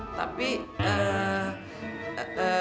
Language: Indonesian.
tapi eh eh